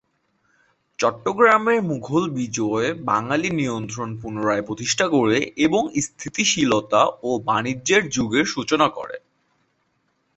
চট্টগ্রামের মুঘল বিজয় বাঙালি নিয়ন্ত্রণ পুনরায় প্রতিষ্ঠা করে এবং স্থিতিশীলতা ও বাণিজ্যের যুগের সূচনা করে।